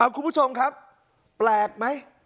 คุณผู้ชมครับแปลกไหม